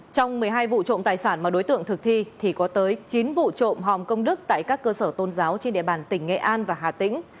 trong một mươi hai vụ trộm tài sản mà đối tượng thực thi thì có tới chín vụ trộm hòm công đức tại các cơ sở tôn giáo trên địa bàn tỉnh nghệ an và hà tĩnh